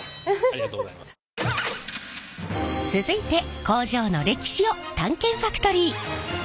続いて工場の歴史を探検ファクトリー。